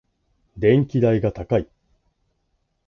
電気代が高い。